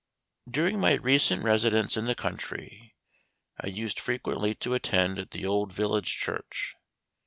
During my recent residence in the country, I used frequently to attend at the old village church.